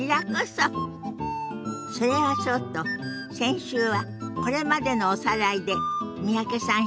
それはそうと先週はこれまでのおさらいで三宅さん